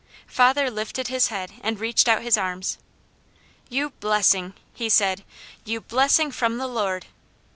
Father lifted his head and reached out his arms. "You blessing!" he said. "You blessing from the Lord!"